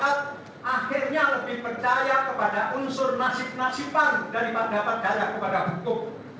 jangan bikin masyarakat akhirnya lebih percaya kepada unsur nasib nasib baru daripada pendapat dana kepada hukum